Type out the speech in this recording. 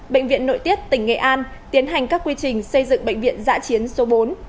bệnh viện nội tiết tỉnh nghệ an tiến hành các quy trình xây dựng bệnh viện giã chiến số bốn